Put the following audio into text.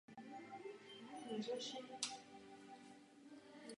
V současnosti působí v Divadle v Dlouhé a Studiu Hrdinů.